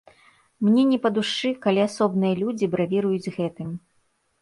Мне не па душы, калі асобныя людзі бравіруюць гэтым.